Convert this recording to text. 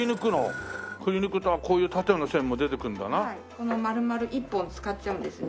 この丸々一本使っちゃうんですね。